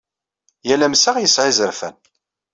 Yal amsaɣ yesɛa izerfan.